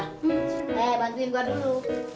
hei bantuin gua dulu